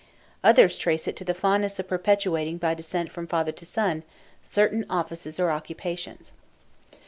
Others trace it to the fondness of perpetuating, by descent from father to son, certain offices or occupations.